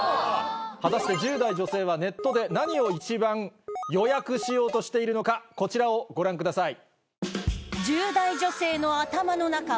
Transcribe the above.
果たして１０代女性はネットで何を一番予約しようとしているのかこちらをご覧ください。